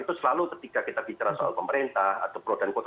itu selalu ketika kita bicara soal pemerintah atau pro dan kontra